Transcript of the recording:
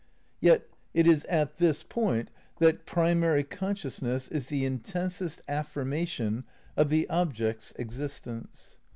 Yet it is at this point that primary consciousness is the in tensest affirmation of the object's existence.